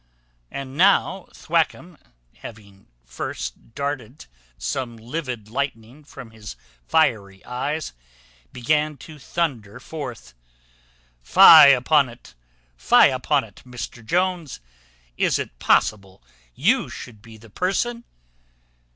And now Thwackum, having first darted some livid lightning from his fiery eyes, began to thunder forth, "Fie upon it! Fie upon it! Mr Jones. Is it possible you should be the person?"